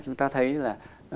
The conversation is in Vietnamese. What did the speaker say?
chúng ta thấy là